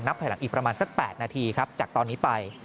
นับให้หลังอีกประมาณสัก๘นาทีจากตอนนี้ไป